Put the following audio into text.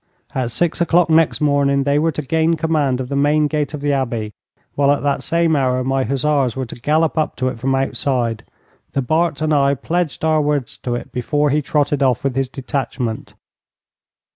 At six o'clock next morning they were to gain command of the main gate of the Abbey, while at that same hour my hussars were to gallop up to it from outside. The Bart and I pledged our words to it before he trotted off with his detachment.